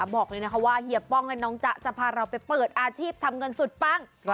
บอกเลยนะคะว่าเฮียป้องและน้องจ๊ะจะพาเราไปเปิดอาชีพทำเงินสุดปัง